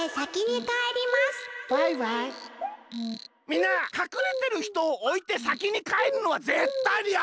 みんなかくれてるひとをおいてさきにかえるのはぜったいにやめよう！